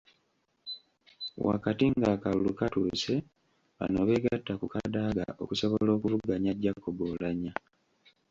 Wakati ng’akalulu katuuse, bano beegatta ku Kadaga okusobola okuvuganya Jacob Oulanyah.